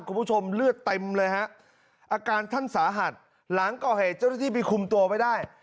คุณผู้ชมเลือดเต็มเลยฮะอาการท่านสาหัสหลังก่อเหตุเจ้าหน้าที่ไปคุมตัวไว้ได้